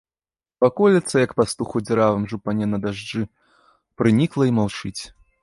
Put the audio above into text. Ваколіца, як пастух у дзіравым жупане на дажджы, прынікла і маўчыць.